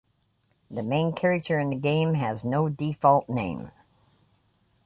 The main character in the game has no default name.